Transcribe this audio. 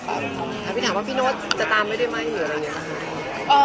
แล้วพี่ถามว่าพี่โน๊ตจะตามไม่ได้ไหมหรืออะไรอย่างนี้ค่ะ